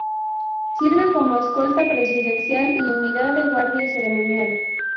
Sirve como escolta presidencial y unidad de guardia ceremonial.